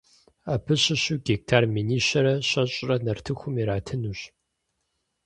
Абы щыщу гектар минищэрэ щэщӏрэр нартыхум иратынущ.